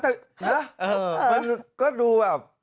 แต่มันก็ดูแบบ